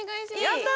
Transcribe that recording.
やった！